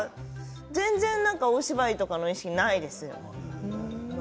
全然お芝居とかの意識ないです。